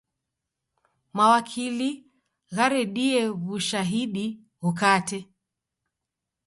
Mawakili gharedie w'ushahidi ghukate.